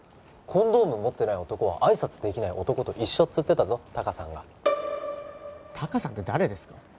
コンドーム持ってない男は挨拶できない男と一緒っつってたぞ鷹さんが鷹さんって誰ですか？